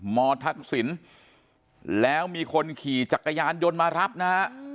มทักษิณแล้วมีคนขี่จักรยานยนต์มารับนะฮะ